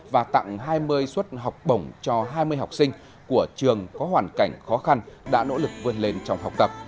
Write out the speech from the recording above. và tặng hai mươi suất học bổng cho hai mươi học sinh của trường có hoàn cảnh khó khăn đã nỗ lực vươn lên trong học tập